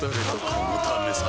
このためさ